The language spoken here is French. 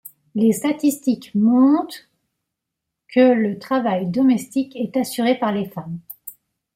Les statistiques montent que le travail domestique est assurée par les femmes.